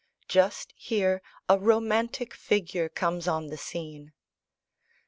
Just here a romantic figure comes on the scene.